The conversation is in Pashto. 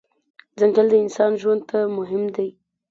ځنګل د انسان ژوند ته مهم دی.